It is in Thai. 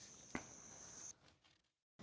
อืม